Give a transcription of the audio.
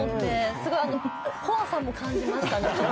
すごい怖さも感じました。